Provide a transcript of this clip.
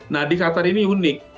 nah di qatar ini unik